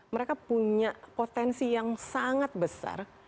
mereka punya potensi yang sangat besar